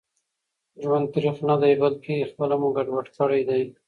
ژوند تريخ ندي بلکي خپله مو ګډوډ کړي دي